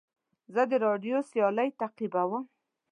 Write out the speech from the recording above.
زه د راډیو سیالۍ تعقیبوم.